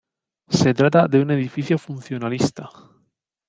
Se trata de un edificio funcionalista.